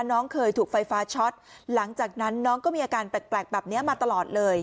น้องเคยถูกไฟฟ้าช็อตหลังจากนั้นน้องก็มีอาการแปลกแบบนี้มาตลอดเลย